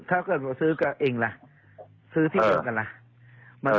ถ้าเกิดว่าซื้อกันเองล่ะซื้อที่เจอกันล่ะ